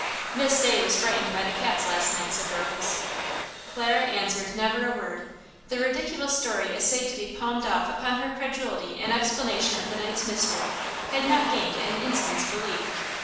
"Miss Day was frightened by the cats last night," said Dorcas. Clara answered never a word. The ridiculous story essayed to be palmed off upon her credulity in explanation of the night's mystery had not gained an instant's belief.